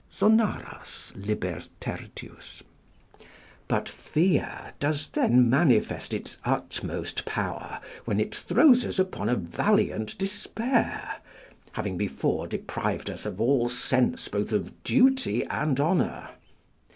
[Zonaras, lib. iii.] But fear does then manifest its utmost power when it throws us upon a valiant despair, having before deprived us of all sense both of duty and honour.